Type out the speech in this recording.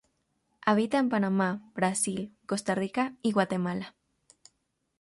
Habita en Panamá, Brasil, Costa Rica y Guatemala.